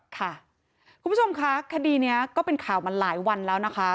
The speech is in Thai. คุณผู้ชมคะคดีนี้ก็เป็นข่าวมาหลายวันแล้วนะคะ